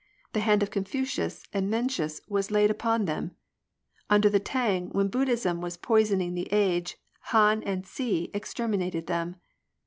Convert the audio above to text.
The hand of Confucius and Mencius was laid upon them ! Under the T'ang when Buddhism was poisoning the age, Han and Hsi exterminated them.